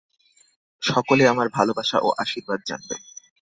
সকলে আমার ভালবাসা ও আশীর্বাদ জানবে।